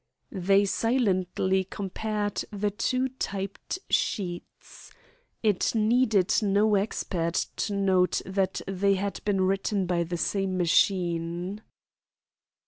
They silently compared the two typed sheets. It needed no expert to note that they had been written by the same machine.